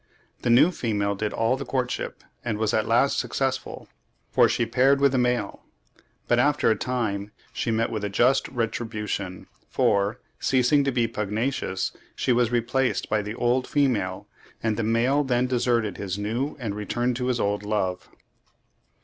The new female did all the courtship, and was at last successful, for she paired with the male; but after a time she met with a just retribution, for, ceasing to be pugnacious, she was replaced by the old female, and the male then deserted his new and returned to his old love.